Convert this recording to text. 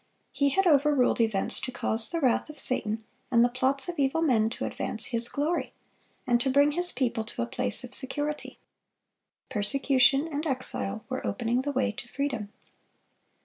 He had overruled events to cause the wrath of Satan and the plots of evil men to advance His glory, and to bring His people to a place of security. Persecution and exile were opening the way to freedom.